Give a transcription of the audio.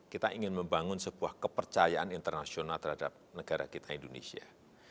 kita ingin membangun sebuah kepercayaan internasional terhadap negara kita indonesia